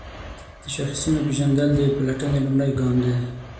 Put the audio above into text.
د شاخصونو پیژندل د پلټنې لومړی ګام دی.